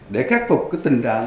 để khắc phục tình trạng